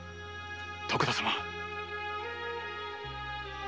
徳田様。